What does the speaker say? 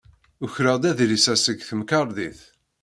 Ukreɣ-d adlis-a seg temkerḍit.